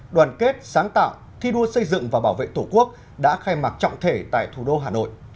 đoàn kết sáng tạo thi đua xây dựng và bảo vệ tổ quốc đã khai mạc trọng thể tại thủ đô hà nội